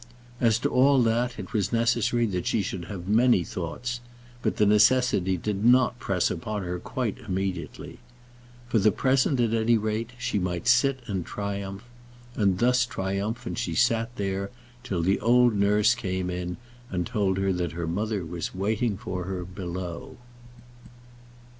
As to all that it was necessary that she should have many thoughts, but the necessity did not press upon her quite immediately. For the present, at any rate, she might sit and triumph; and thus triumphant she sat there till the old nurse came in and told her that her mother was waiting for her below.